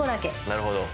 なるほど。